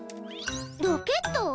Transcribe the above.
ロケット？